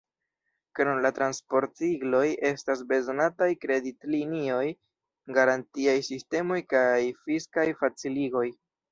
Krom la transportligoj estas bezonataj kreditlinioj, garantiaj sistemoj kaj fiskaj faciligoj.